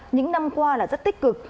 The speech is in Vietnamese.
những năm qua là rất tích cực